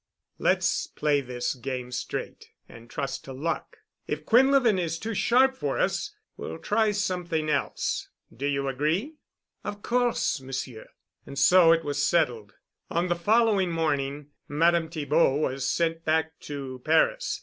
Let's play this game straight and trust to luck. If Quinlevin is too sharp for us we'll try something else. Do you agree?" "Of course, Monsieur." And so it was settled. On the following morning Madame Thibaud was sent back to Paris.